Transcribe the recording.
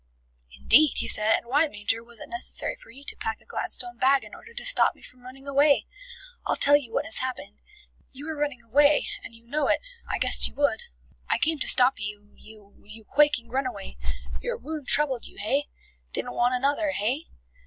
"Indeed!" he said. "And why, Major, was it necessary for you to pack a Gladstone bag in order to stop me from running away? I'll tell you what has happened. You were running away, and you know it. I guessed you would. I came to stop you, you, you quaking runaway. Your wound troubled you, hey? Didn't want another, hey?"